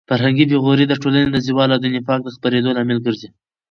فرهنګي بې غوري د ټولنې د زوال او د نفاق د خپرېدو لامل ګرځي.